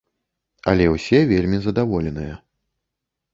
Але ўсе вельмі задаволеныя.